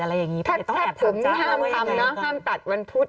ห้ามทำนะห้ามตัดวันพุธ